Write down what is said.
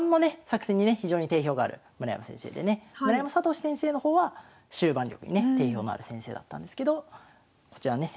作戦にね非常に定評がある村山先生でね村山聖先生の方は終盤力にね定評のある先生だったんですけどこちらのね